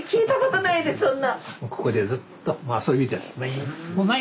ここでずっともう遊びです。